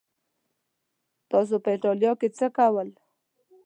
تاسو په ایټالیا کې څه کول؟